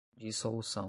dissolução